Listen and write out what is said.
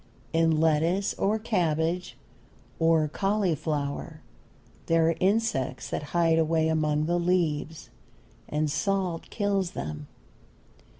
In lettuce, or cabbage, or cauliflower, there are insects that hide away among the leaves, and salt kills them.